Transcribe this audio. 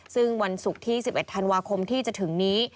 ซึ่งวันศุกร์ที่๑๑ธันวาคมที่จะถึงนี้